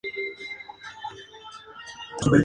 Hay varios senderos que la atraviesan dada su extensión.